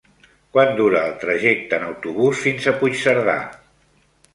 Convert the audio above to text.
Quant dura el trajecte en autobús fins a Puigcerdà?